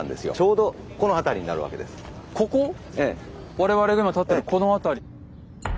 我々が今立ってるこの辺り。